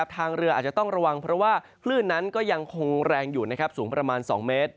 ทางเรืออาจจะต้องระวังเพราะว่าคลื่นนั้นก็ยังคงแรงอยู่นะครับสูงประมาณ๒เมตร